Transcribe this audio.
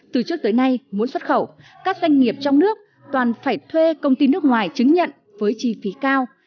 từ trước tới nay muốn xuất khẩu các doanh nghiệp trong nước toàn phải thuê công ty nước ngoài chứng nhận với chi phí cao